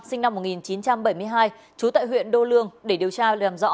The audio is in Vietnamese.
sinh năm một nghìn chín trăm bảy mươi hai trú tại huyện đô lương để điều tra làm rõ